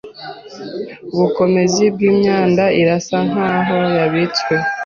Ubukomezi bwimyanda irasa nkaho yabitswe